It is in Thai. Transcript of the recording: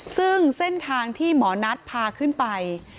ซึ่งเส้นทางที่หมอนัทพาขึ้นไป